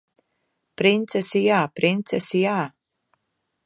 Princesi jā! Princesi jā!